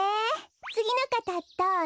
つぎのかたどうぞ。